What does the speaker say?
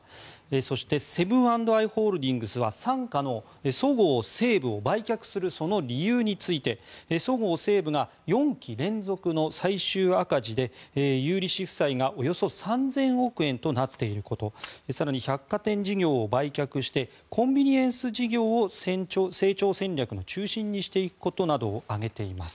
そして、セブン＆アイ・ホールディングスは傘下のそごう・西武を売却するその理由についてそごう・西武が４期連続の最終赤字で有利子負債がおよそ３０００億円となっていること更に百貨店事業を売却してコンビニエンス事業を成長戦略の中心にしていくことなどを挙げています。